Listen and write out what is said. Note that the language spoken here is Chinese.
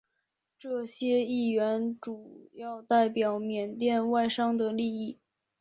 这些议员主要代表缅甸外商的利益。